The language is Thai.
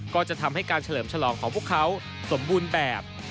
ก็จะทำให้การเฉลิมฉลองของพวกเขาสมบูรณ์แบบ